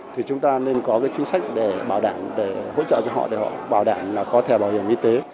thì chúng ta nên có cái chính sách để bảo đảm để hỗ trợ cho họ để họ bảo đảm là có thẻ bảo hiểm y tế